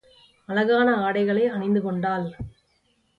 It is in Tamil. அழகான ஆடைகளை அணிந்துகொண்டாள்.